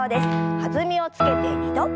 弾みをつけて２度。